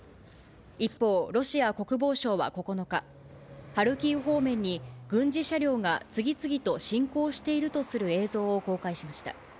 一方、ロシア国防省は９日、ハルキウ方面に軍事車両が次々と進行しているとする映像を公開しました。